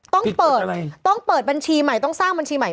ต้องเปิดต้องเปิดบัญชีใหม่ต้องสร้างบัญชีใหม่